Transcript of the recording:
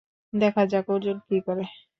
দেখা যাক, অর্জুন কি করে।